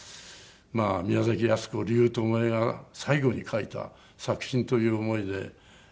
まあ宮崎恭子隆巴が最後に書いた作品という思いで。